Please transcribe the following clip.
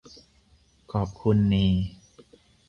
ขอบคุณเน